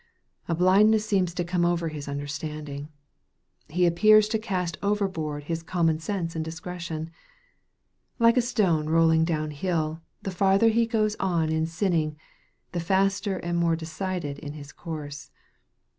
A blindness seems to come over his understanding. He appears to cast over board his common sense and discretion. Like a stone rolling down hill, the further he goes on in sin ning, the faster and more decided is his course.